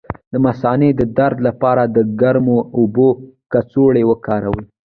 د مثانې د درد لپاره د ګرمو اوبو کڅوړه وکاروئ